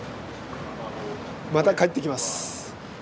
また帰ってきます。